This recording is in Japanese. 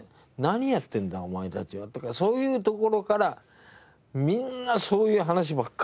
「何やってんだお前たちは」とかそういうところからみんなそういう話ばっかりだった。